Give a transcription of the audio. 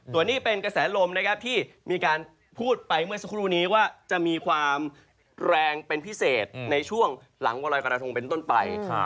ส่วนนี้เป็นกระแสลมนะครับที่มีการพูดไปเมื่อสักครู่นี้ว่าจะมีความแรงเป็นพิเศษในช่วงหลังวันรอยกระทงเป็นต้นไป